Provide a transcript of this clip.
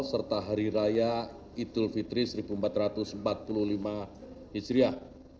serta hari raya idul fitri seribu empat ratus empat puluh lima hijriah